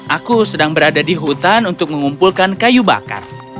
aku sedang berada di hutan untuk mengumpulkan kayu bakar